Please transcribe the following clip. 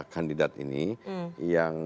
kandidat ini yang